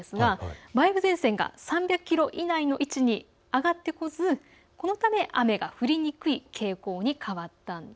梅雨前線が３００キロ以内の位置に上がってこないでそのため雨が降りにくい傾向に変わったんです。